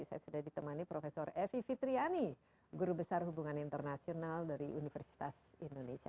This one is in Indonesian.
saya sudah ditemani prof evi fitriani guru besar hubungan internasional dari universitas indonesia